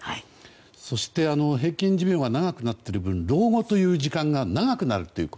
そして平均寿命が長くなっている分老後という時間が長くなるということ。